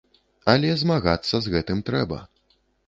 Але змагацца з гэтым трэба.